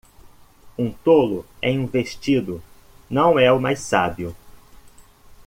Um tolo em um vestido não é o mais sábio.